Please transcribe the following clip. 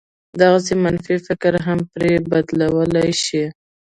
دغسې منفي فکر هم پرې بدلولای شي.